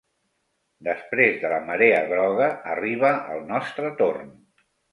Després de la marea groga arriba el nostre torn.